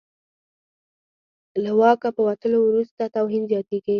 له واکه په وتلو وروسته توهین زیاتېږي.